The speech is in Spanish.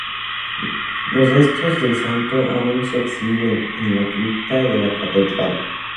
Los restos del Santo aún se exhiben en la cripta de la catedral.